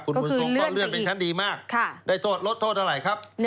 คุณบุญทรงก็เลื่อนเป็นชั้นดีมากได้โทษลดโทษเท่าไหร่ครับ